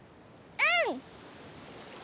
うん？